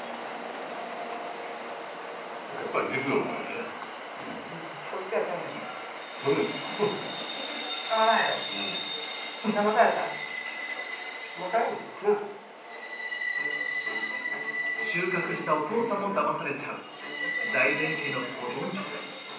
やっぱり収穫したお父さんもだまされちゃう財前家の保存術。